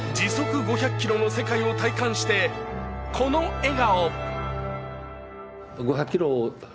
５００キロの世界を体感してこの笑顔。